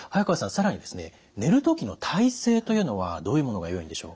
更にですね寝る時の体勢というのはどういうものがよいんでしょう？